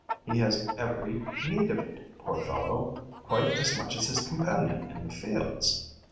He has every need of it, poor fellow, quite as much as his companion in the fields!